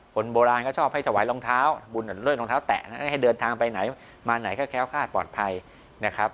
คนโบราณก็ชอบให้ถวายรองเท้าบุญเรื่องรองเท้าแตะให้เดินทางไปไหนมาไหนก็แค้วคาดปลอดภัยนะครับ